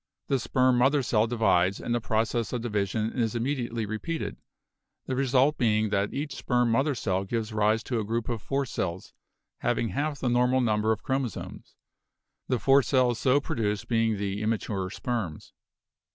The sperm mother cell divides and the process of division is immediately repeated, the result being that each sperm mother cell gives rise to a group of four cells having half the normal number of chromosomes, the four cells so produced being the immature sperms.